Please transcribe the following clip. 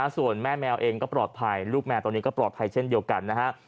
ส่วนแม่แมวเองก็ปลอดภัยลูกแมวตอนนี้ก็ปลอดภัยเช่นเดียวกันนะฮะ